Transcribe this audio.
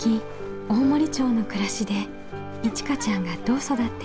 大森町の暮らしでいちかちゃんがどう育っていくのか。